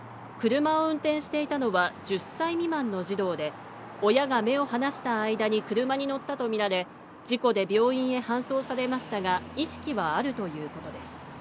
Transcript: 車を運転したのは１０歳未満の児童で、親が目を離した間に車に乗ったとみられ、事故で病院へ搬送されましたが、意識はあるということです。